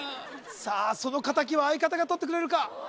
さあその敵は相方がとってくれるか？